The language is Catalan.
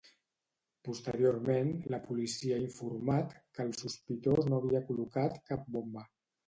Posteriorment, la policia ha informat que el sospitós no havia col·locat cap bomba.